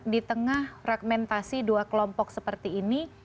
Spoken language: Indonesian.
di tengah fragmentasi dua kelompok seperti ini